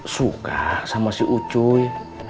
suka sama si ucuy